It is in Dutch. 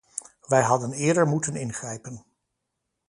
Wij hadden eerder moeten ingrijpen.